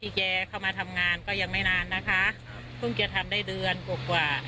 แกเข้ามาทำงานก็ยังไม่นานนะคะเพิ่งจะทำได้เดือนกว่ากว่า